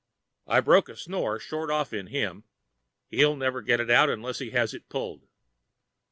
I broke a snore short off in him. He'll never get it out unless he has it pulled.